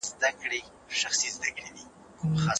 که نويوالی نه وي پېژندني زړې ښکاري.